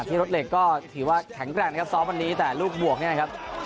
ที่รถเหล็กก็ถือว่าแข็งแกร่งนะครับซ้อมวันนี้แต่ลูกบวกเนี่ยนะครับ